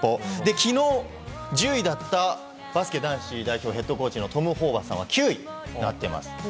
昨日、１０位だったバスケ男子代表ヘッドコーチのトム・ホーバスさんは９位となっています。